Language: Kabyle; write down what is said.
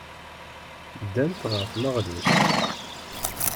Ddant ɣer tneɣlust.